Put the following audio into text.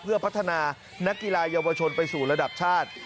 เพื่อพัฒนานักกีฬาเยาวชนไปสู่ระดับชาติ